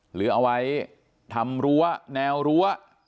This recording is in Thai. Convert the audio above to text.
หรือเอาไว้ทำรั้วแนวรั้ว